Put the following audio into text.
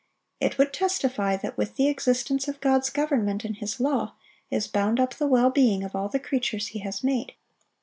It would testify that with the existence of God's government and His law is bound up the well being of all the creatures He has made.